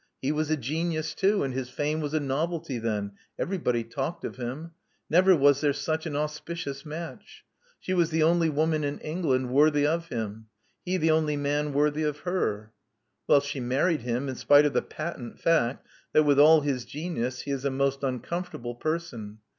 He was a genius too ; and his fame was a novelty then : everybody talked of him. Never was there such an auspicious match. She was the only woman in England worthy of him : he the only man worthy of her. Well, she married him, in spite of the patent fact that with all his genius, he is a most uncomfortable person.